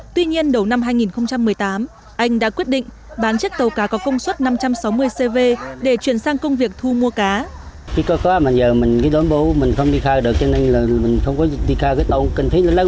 tuy nhiên đầu năm hai nghìn một mươi tám anh đã quyết định bán chiếc tàu cá có công suất năm trăm sáu mươi cv để chuyển sang công việc thu mua cá